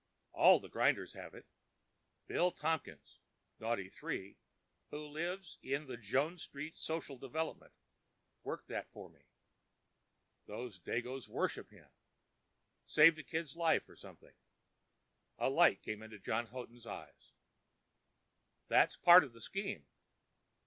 All the grinders have it. Billy Tompkins, Noughty three, who lives in the Jones Street social settlement, worked that for me. Those dagoes worship him—saved a kid's life or something." A light came into John Houghton's eyes. "That's part of the scheme.